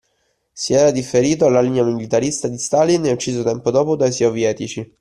Si era differito alla linea militarista di Stalin e ucciso tempo dopo dai sovietici.